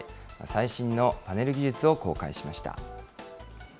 最新のパネル技術を公開しました。